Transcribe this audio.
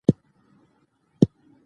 مور د کورنیو اړیکو ښه والي لپاره کار کوي.